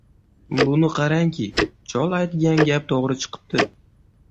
Buni qarangki, chol aytgan gap to‘g‘ri chiqibdi.